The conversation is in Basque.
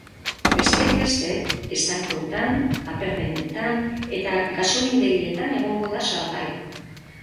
Besteak beste, estankoetan, paper-dendetan eta gasolindegietan egongo da salgai.